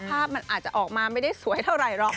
ภาพมันอาจจะออกมาไม่ได้สวยเท่าไหร่หรอก